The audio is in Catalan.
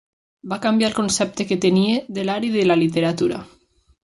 Va canviar el concepte que tenia de l'art i de la literatura.